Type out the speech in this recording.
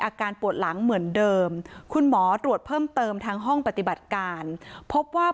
อาการปวดหลังเหมือนเดิมคุณหมอตรวจเพิ่มเติมทางห้องปฏิบัติการพบว่า